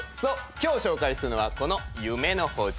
今日紹介するのはこの夢の包丁。